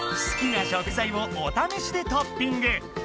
好きな食材をおためしでトッピング。